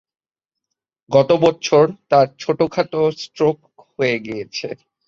গত বছর তাঁর ছোটখাটো ক্টোক হয়ে গেছে।